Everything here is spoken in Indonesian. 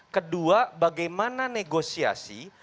kedua bagaimana negosiasi